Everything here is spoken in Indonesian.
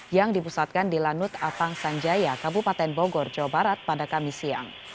yang dipusatkan di lanut apang sanjaya kabupaten bogor jawa barat pada kamis siang